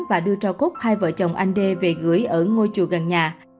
và đưa cho cốt hai vợ chồng anh đê về gửi ở ngôi chùa gần nhà